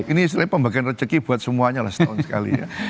ini sebenarnya pembagian rezeki buat semuanya lah setahun sekali ya